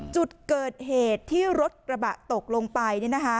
จุดเกิดเหตุที่รถกระบะตกลงไป